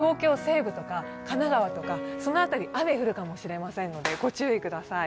もしかすると東京西部とか神奈川、その辺り、雨振るかもしれませんので、ご注意ください。